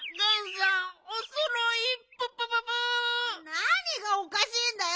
なにがおかしいんだよ。